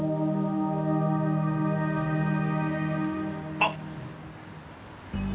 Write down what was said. あっ！